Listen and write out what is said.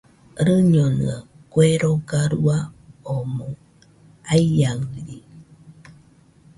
Rɨñonɨaɨ, kue roga rua omoɨ aiaɨri.